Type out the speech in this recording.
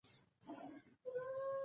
چې څنګه مختلف خلک یوځای اوسیدلی شي.